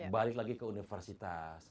balik lagi ke universitas